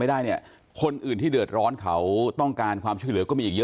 บรรณเรือ